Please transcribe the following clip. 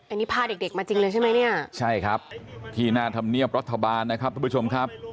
อันนี้พาเด็กเด็กมาจริงเลยใช่ไหมเนี่ยใช่ครับที่หน้าธรรมเนียบรัฐบาลนะครับทุกผู้ชมครับ